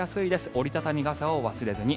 折り畳み傘を忘れずに。